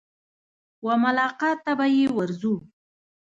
وه ملاقات ته به يې ورځو.